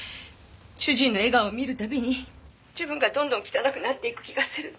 主人の笑顔を見る度に自分がどんどん汚くなっていく気がする。